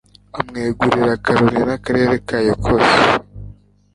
amwegurira akaroni n'akarere kayo kose